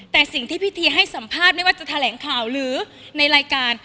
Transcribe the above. แต่สิ่งที่พิธีให้สัมภาษณ์ไม่ว่าจะแถลงข่าวหรือในรายการ